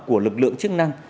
của lực lượng chức năng